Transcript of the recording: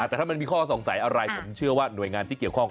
แต่ถ้ามันมีข้อสงสัยอะไรผมเชื่อว่าหน่วยงานที่เกี่ยวข้อง